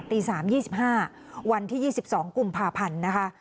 ตี๓๒๕วันที่๒๒กลุ่มผ่าผันนะคะ